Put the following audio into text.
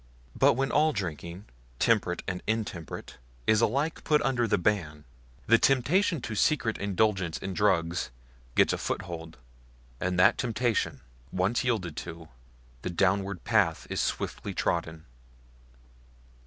But when all drinking, temperate and intemperate, is alike put under the ban, the temptation to secret indulgence in drugs gets a foothold; and that temptation once yielded to, the downward path is swiftly trodden.